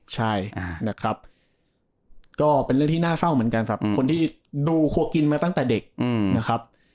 ใช่นะครับก็เป็นเรื่องที่น่าเศร้าเหมือนกันสำหรับคนที่ดูโคกินมาตั้งแต่เด็กนะครับ